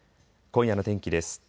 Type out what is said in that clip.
今夜の天気です。